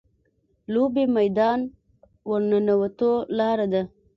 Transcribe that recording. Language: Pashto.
لوبې میدان ورننوتو لاره ده.